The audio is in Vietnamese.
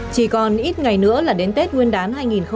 chỉ còn ít ngày nữa là đến tết nguyên đán hai nghìn hai mươi